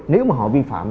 nếu mà họ vi phạm